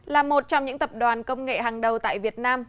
là một trong những tập đoàn công nghệ hàng đầu tại việt nam